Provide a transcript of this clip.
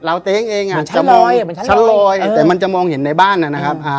ลาวเต๊งเองอะชั้นลอยชั้นลอยแต่มันจะมองเห็นในบ้านอะนะครับอ่า